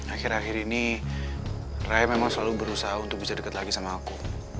akhir akhir ini raya memang selalu berusaha untuk bisa dekat lagi sama aku